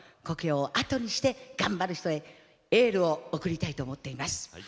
故郷をあとにして頑張る人へエールを送りたいと思っています。